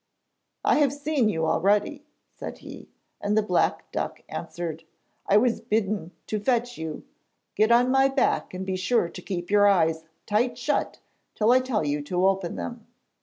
'I have seen you already,' said he, and the black duck answered: 'I was bidden to fetch you. Get on my back and be sure to keep your eyes tight shut till I tell you to open them.'